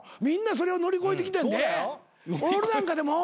みんなそれを乗り越えてきてんで。